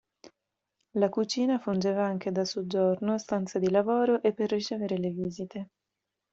La cucina fungeva anche da soggiorno, stanza di lavoro e per ricevere le visite.